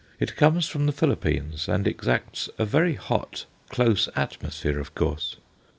It comes from the Philippines, and exacts a very hot, close atmosphere of course.